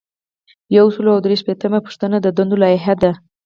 یو سل او درې شپیتمه پوښتنه د دندو لایحه ده.